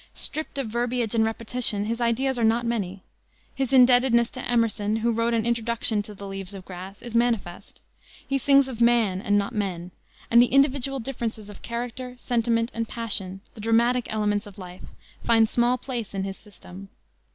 Stripped of verbiage and repetition, his ideas are not many. His indebtedness to Emerson who wrote an introduction to the Leaves of Grass is manifest. He sings of man and not men, and the individual differences of character, sentiment, and passion, the dramatic elements of life, find small place in his system.